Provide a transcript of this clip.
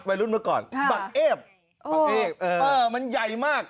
วัยรุ่นเมื่อก่อนบังเอ็บเออมันใหญ่มาก